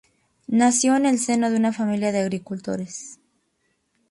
Nació en el seno de una familia de agricultores.